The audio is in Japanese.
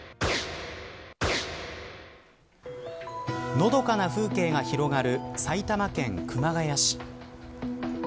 のどかな風景が広がる埼玉県熊谷市。